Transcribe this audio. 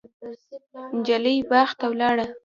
نجلۍ باغ ته ولاړه.